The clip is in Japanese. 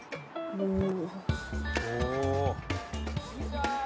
「おお！」